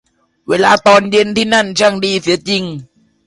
เวลาตอนเย็นที่นั่นช่างดีเสียจริง